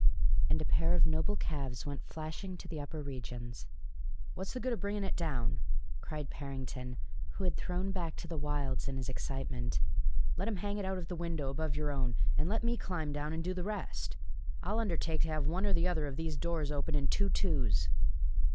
And a pair of noble calves went flashing to the upper regions. "What's the good of bringing it down," cried Parrington, who had thrown back to the wilds in his excitement. "Let him hang it out of the window above your own, and let me climb down and do the rest! I'll undertake to have one or other of these doors open in two twos!"